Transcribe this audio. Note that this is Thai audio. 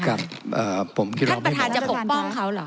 ครับผมคิดว่าไม่เหมาะครับท่านประธานจะปกป้องเขาเหรอครับ